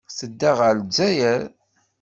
Tedda ɣer Lezzayer.